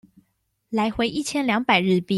來回一千兩百日幣